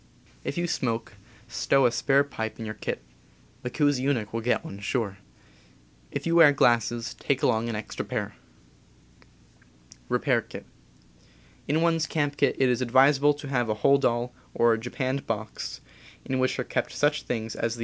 If you smoke, stow a spare pipe in your kit — the koosy oonek will get one, sure. If you wear glasses, take along an extra pair. In one's camp kit it is advisable to have a holdall, or a japanned box, in which are kept such things as • TT j.